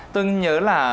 tôi nhớ là